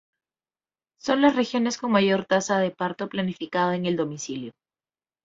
Son las regiones con mayor tasa de parto planificado en el domicilio.